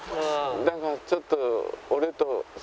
だからちょっと。